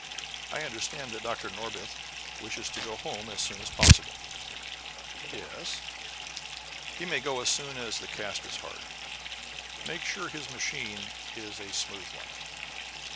"I understand that Dr. Norbith wishes to go home as soon as possible?" "Yes." "He may go as soon as the cast is hard. Make sure his machine is a smooth one."